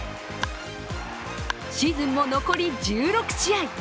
シーズンも残り１６試合。